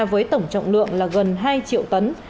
với tổng trọng lượng là gần hai triệu tấn